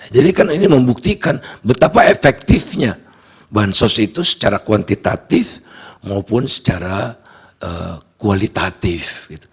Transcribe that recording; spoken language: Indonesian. jadi ini membuktikan betapa efektifnya bansos itu secara kuantitatif maupun secara kualitatif